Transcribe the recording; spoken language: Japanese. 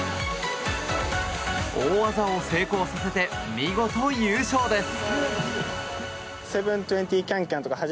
大技を成功させて見事優勝です。